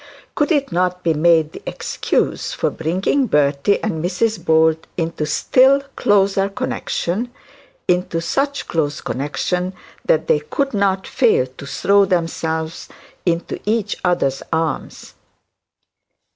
Could it not be made the excuse for bringing Bertie and Mrs Bold into still closer connection; into such close connection that they could not fail to throw themselves into each other's arms?